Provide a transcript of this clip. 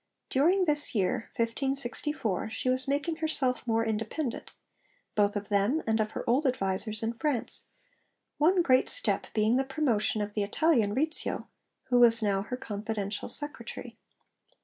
During this year, 1564, she was making herself more independent, both of them and of her old advisers in France; one great step being the promotion of the Italian, Rizzio, who was now her confidential secretary.